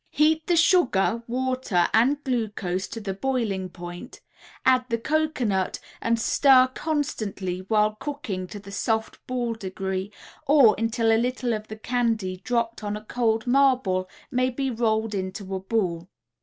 Heat the sugar, water and glucose to the boiling point, add the cocoanut and stir constantly while cooking to the soft ball degree, or, until a little of the candy dropped on a cold marble may be rolled into a ball.